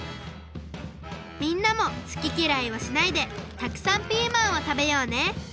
みんなもすききらいをしないでたくさんピーマンをたべようね！